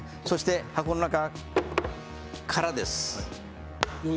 そして箱の中、空です。